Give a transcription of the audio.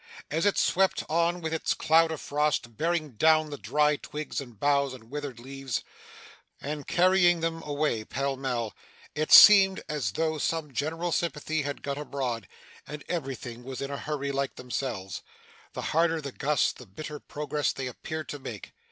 As it swept on with its cloud of frost, bearing down the dry twigs and boughs and withered leaves, and carrying them away pell mell, it seemed as though some general sympathy had got abroad, and everything was in a hurry, like themselves. The harder the gusts, the better progress they appeared to make.